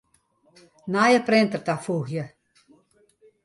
Nije printer tafoegje.